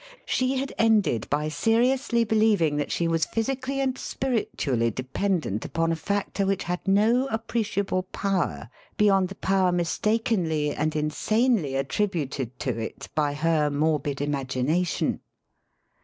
She had ended by seriously believing that she was phys ically and spiritually dependent upon a factor which had no appreciable power beyond the power mistakenly and insanely attributed to it by her morbid imagination.